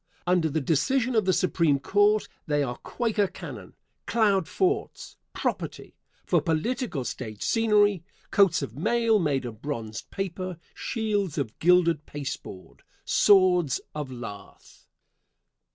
Under the decision of the Supreme Court they are Quaker cannon cloud forts "property" for political stage scenery coats of mail made of bronzed paper shields of gilded pasteboard swords of lath.